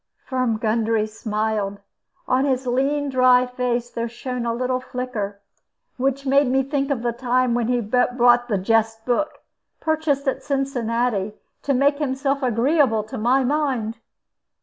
Firm Gundry smiled; on his lean dry face there shone a little flicker, which made me think of the time when he bought a jest book, published at Cincinnati, to make himself agreeable to my mind.